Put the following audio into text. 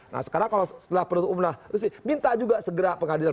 nah sekarang kalau setelah penuntut umrah minta juga segera pengadilan